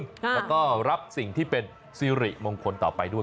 แล้วก็รับสิ่งที่เป็นสิริมงคลต่อไปด้วย